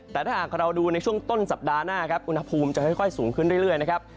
แต่ถ้าหากเราดูในช่วงต้นสัปดาห์หน้าครับอุณหภูมิจะค่อยสูงขึ้นเรื่อยนะครับ